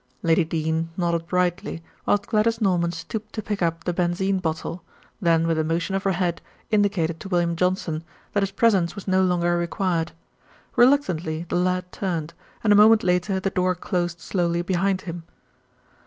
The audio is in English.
Lady Dene nodded brightly, whilst Gladys Norman stooped to pick up the benzine bottle, then with a motion of her head indicated to William Johnson that his presence was no longer required. Reluctantly the lad turned, and a moment later the door closed slowly behind him.